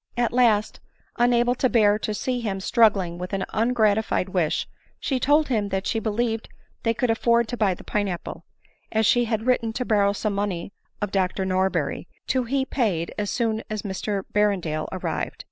At last, unable to bear to see him struggling with an ungratified wish, she told him that she believed they could afford to buy the pine apple, as she had written to borrow some money 01 Dr Norberry, to he paid as soon as Mr Berrendale arrived.